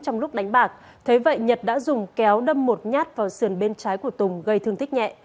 người nhật đã dùng kéo đâm một nhát vào sườn bên trái của tùng gây thương tích nhẹ